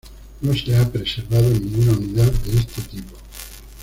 No se ha preservado ninguna unidad de este tipo.